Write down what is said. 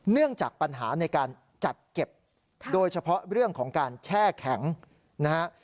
เนื่องจากปัญหาในการจัดเก็บโดยเฉพาะเรื่องของการแช่แข็งนะฮะ